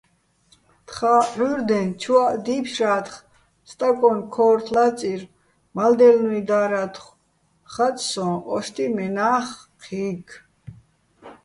თხა ჸურდეჼ, ჩუაჸ დიფშრა́თხ, სტაკონ ქო́რთო̆ ლაწირ, მალდელნუ́ჲ დარათხო̆, ხაწ სო́ჼ: ოშტიჸ მენა́ხ ჴი́ქ.